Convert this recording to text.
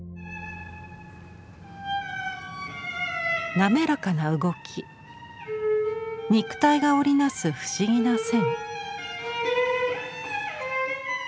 滑らかな動き肉体が織り成す不思議な線。